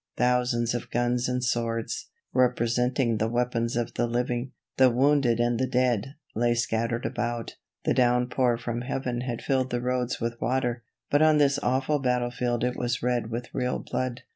Thousands of guns and swords, representing the weapons of the living, the wounded and the dead, lay scattered about. The downpour from heaven had filled the roads with water, but on this awful battlefield it was red with real blood.